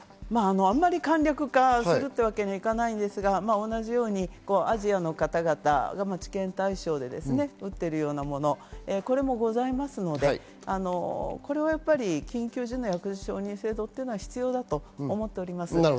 あんまり簡略化するというわけにはいかないですが、同じようにアジアの方々が治験対象で打っているようなもの、これもございますので、これはやっぱり緊急時の薬事承認制度というのは必要だと思っております。